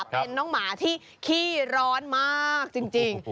เป็นน้องหมาที่ขี้ร้อนมากจริง